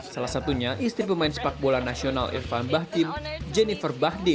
salah satunya istri pemain sepak bola nasional irfan bahtim jennifer bahdim